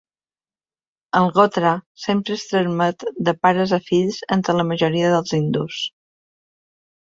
El "gotra" sempre es transmet de pares a fills entre la majoria dels hindús.